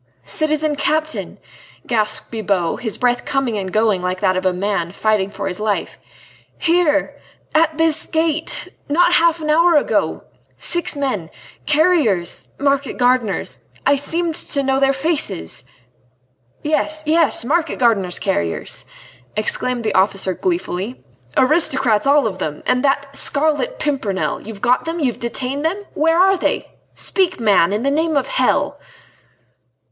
"Citizen Captain," gasped Bibot, his breath coming and going like that of a man fighting for his life. "Here!... at this gate!... not half an hour ago ... six men ... carriers ... market gardeners ... I seemed to know their faces...." "Yes! yes! market gardener's carriers," exclaimed the officer gleefully, "aristocrats all of them ... and that d d Scarlet Pimpernel. You've got them? You've detained them?... Where are they?... Speak, man, in the name of hell!..."